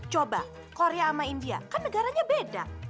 coba korea sama india kan negaranya beda